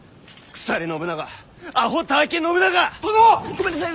ごめんなさい！